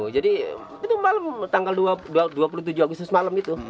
jadi itu malam tanggal dua puluh tujuh agustus malam itu